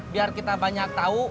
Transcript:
biar kita banyak tau